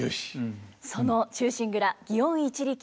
その「忠臣蔵園一力茶屋」